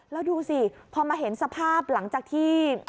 แล้วดูสิพอมาเห็นสภาพหลังจากที่